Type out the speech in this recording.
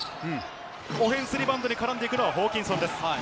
オフェンスリバウンドに絡むのはホーキンソンです。